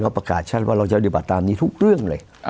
ประกาศชัดว่าเราจะปฏิบัติตามนี้ทุกเรื่องเลย